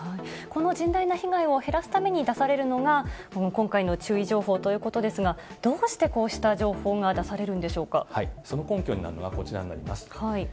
この甚大な被害を減らすために出されるのが、この今回の注意情報ということですが、どうしてこうした情報が出その根拠になるのがこちらになります。